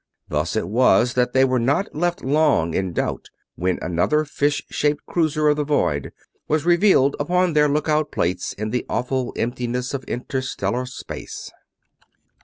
Thus it was that they were not left long in doubt when another fish shaped cruiser of the void was revealed upon their lookout plates in the awful emptiness of interstellar space.